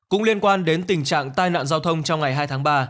cũng liên quan đến tình trạng tai nạn giao thông trong ngày hai tháng ba